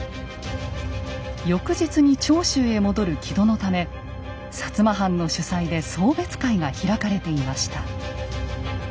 翌日に長州へ戻る木戸のため摩藩の主催で送別会が開かれていました。